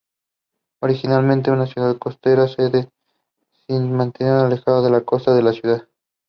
Thomas Herbert.